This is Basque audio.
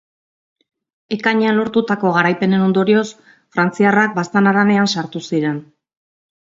Ekainean lortutako garaipenen ondorioz, frantziarrak Baztan haranean sartu ziren.